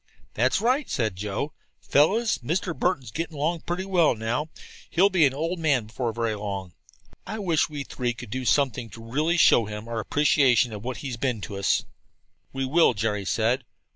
"That's right," said Joe. "Fellows, Mr. Burton's getting pretty well along now. He'll be an old man before very long. I wish we three could do something to really show him our appreciation of what he's been to us." "We will," Jerry said.